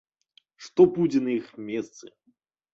Што будзе на іх месцы?